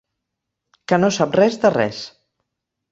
Que no sap res de res.